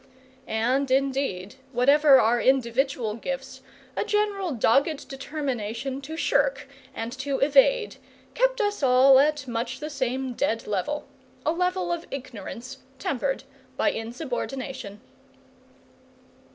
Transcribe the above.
And, indeed, whatever our individual gifts, a general dogged determination to shirk and to evade kept us all at much the same dead level, a level of ignorance tempered by insubordination.